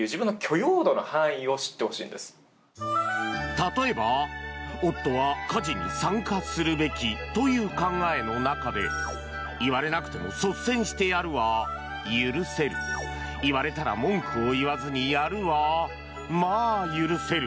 例えば、夫は家事に参加するべきという考えの中で言われなくても率先してやるは許せる言われたら文句を言わずにやるはまあ許せる。